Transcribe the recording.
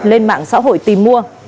lên mạng xã hội tìm mua